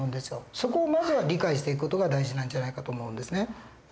そこをまずは理解していく事が大事なんじゃないかと思うんですね。